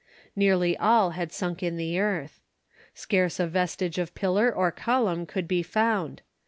Nearly all had sunk in the earth. Scarce a vestige of pillar or column could be found.